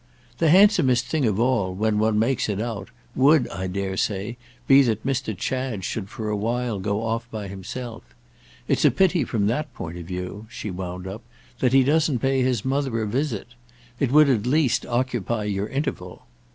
"The handsomest thing of all, when one makes it out, would, I dare say, be that Mr. Chad should for a while go off by himself. It's a pity, from that point of view," she wound up, "that he doesn't pay his mother a visit. It would at least occupy your interval."